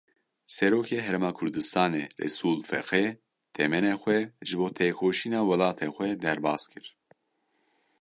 Serokê Herêma Kurdistanê Resûl Feqê, temenê xwe ji bo têkoşîna welatê xwe derbas kir.